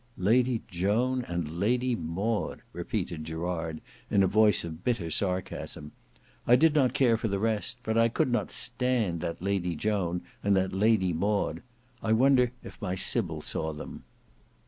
Lady Joan and Lady Maud!" repeated Gerard in a voice of bitter sarcasm. "I did not care for the rest; but I could not stand that Lady Joan and that Lady Maud. I wonder if my Sybil saw them."